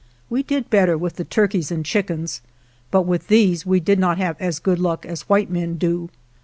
We did better with the turkeys and chickens, but with these we did not have as good luck as white men do.